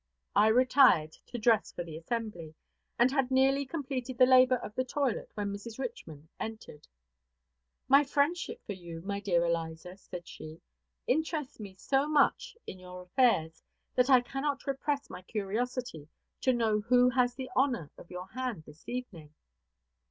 I retired to dress for the assembly, and had nearly completed the labor of the toilet when Mrs. Richman entered. "My friendship for you, my dear Eliza," said she, "interests me so much in your affairs that I cannot repress my curiosity to know who has the honor of your hand this evening."